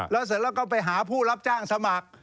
แล้วเสร็จแล้วก็ไปหาผู้รับจ้างสมัคร